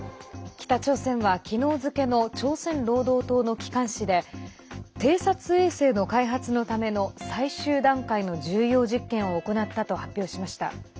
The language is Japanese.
北朝鮮は昨日付の朝鮮労働党の機関紙で偵察衛星の開発のための最終段階の重要実験を行ったと発表しました。